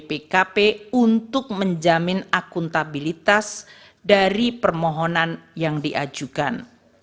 pemberian dilakukan oleh bpnk untuk menjamin akuntabilitas dari permohonan yang diajukan